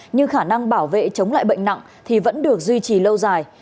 nhưng khả năng bảo vệ chống lại bệnh nặng thì vẫn được duy trì lâu dài